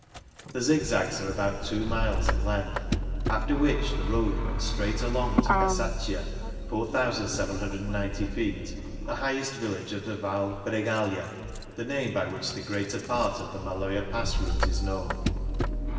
The zig zags are about two miles in length, after which the road runs straight along to Casaccia (4,790 ft), the highest village of the Val Bregaglia, the name by which the greater part of the Maloja Pass route is known.